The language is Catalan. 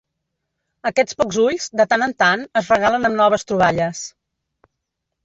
Aquests pocs ulls, de tant en tant, es regalen amb noves troballes.